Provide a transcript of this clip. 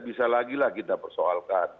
bisa lagi lah kita persoalkan